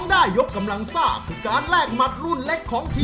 ภาคสำถึงแล้วกับสมมุติรายการ